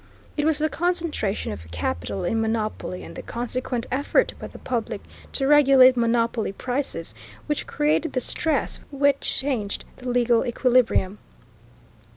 It was the concentration of capital in monopoly, and the consequent effort by the public to regulate monopoly prices, which created the stress which changed the legal equilibrium.